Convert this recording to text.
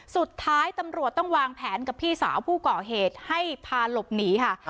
สุดท้ายตำรวจต้องวางแผนกับพี่สาวผู้ก่อเหตุให้พาหลบหนีค่ะ